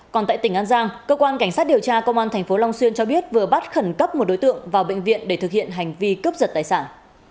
còn tại tỉnh an giang cơ quan cảnh sát điều tra công an tp long xuyên cho biết vừa bắt khẩn cấp một đối tượng vào bệnh viện để thực hiện hành vi cướp giật tài sản